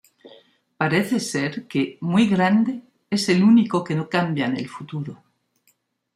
Parece ser que Muy Grande es el único que no cambia en el futuro.